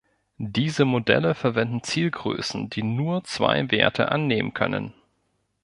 Diese Modelle verwenden Zielgrößen, die nur zwei Werte annehmen können.